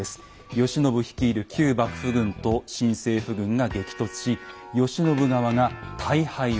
慶喜率いる旧幕府軍と新政府軍が激突し慶喜側が大敗を喫する。